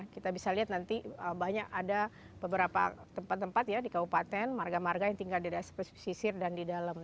kita bisa lihat nanti banyak ada beberapa tempat tempat ya di kabupaten marga marga yang tinggal di daerah pesisir dan di dalam